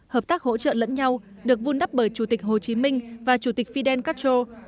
hợp tác hỗ trợ lẫn nhau được vun đắp bởi chủ tịch hồ chí minh và chủ tịch fidel castro